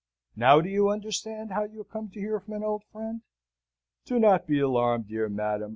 Now, do you understand how you come to hear from an old friend? Do not be alarmed, dear madam!